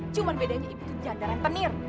cuman bedanya ibu tuh jandaran penir